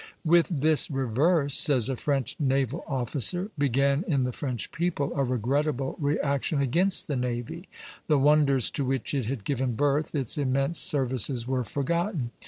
"With this reverse," says a French naval officer, "began in the French people a regrettable reaction against the navy. The wonders to which it had given birth, its immense services, were forgotten.